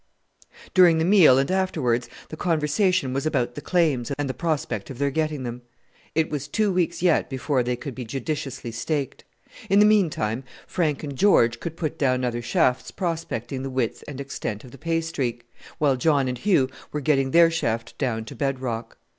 During the meal, and afterwards, the conversation was about the claims and the prospect of their getting them. It was two weeks yet before they could be judiciously staked. In the meantime, Frank and George could put down other shafts prospecting the width and extent of the pay streak, while John and Hugh were getting their shaft down to bed rock.